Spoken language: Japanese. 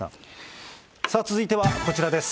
続いてはこちらです。